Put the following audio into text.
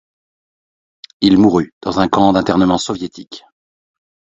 Il mourut dans un camp d'internement soviétique.